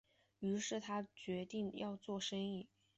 於是他决定要做生意